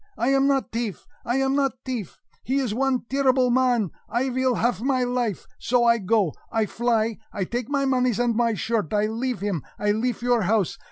I am not teaf! I am not teaf! He is one terreeble mon! He vill haf my life! So I go I fly I take my moneys and my shirt I leafe him, I leafe your house!